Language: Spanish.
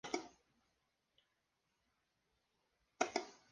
Sin embargo, la especie es una leguminosa y no está relacionada con la ciruela.